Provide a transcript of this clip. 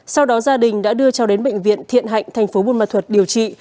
sau đó gia đình đã đưa cho đến bệnh viện thiện hạnh thành phố buôn mà thuật điều trị